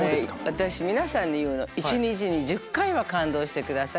私皆さんに言うの一日に１０回は感動してください。